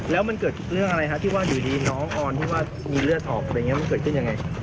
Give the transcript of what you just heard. แล้วมันเกิดเรื่องอะไรคะที่ว่านายีดีน้องอ่อนที่ว่ามีเลือดถอกเกิดขึ้นยังไง